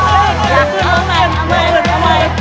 เป็นอะไร